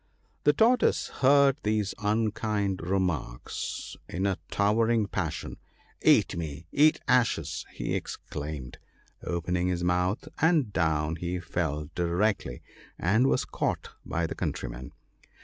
' The Tortoise heard these unkind remarks in a towering passion. " Eat me — eat ashes !" he exclaimed, opening his mouth — and down he fell directly, and was caught by the countrymen.